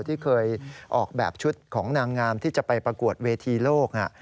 ที่เคยออกแบบชุดของนางงามที่จะไปประกวดเวทีโลก